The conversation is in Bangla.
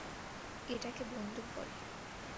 এটাকে বন্দুক বলে।